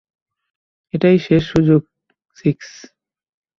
এটাই শেষ সুযোগ, সিক্স।